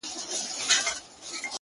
دا دی لمبهوړمه له اوره سره مينه کوم _